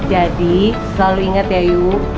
jadi selalu ingat ya yuk